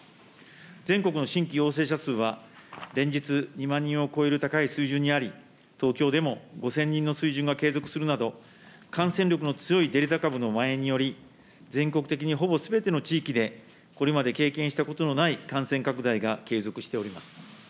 全国の新規陽性者数は連日、２万人を超える高い水準にあり、東京でも５０００人の水準が継続するなど、感染力の強いデルタ株のまん延により、全国的にほぼすべての地域でこれまで経験したことのない感染拡大が継続しております。